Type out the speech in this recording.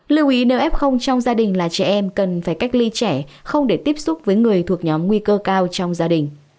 lưu ý nếu f trong gia đình là trẻ em cần phải cách ly trẻ không để tiếp xúc với người thuộc nhóm nguy cơ cao trong gia đình